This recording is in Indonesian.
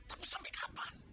tapi sampai kapan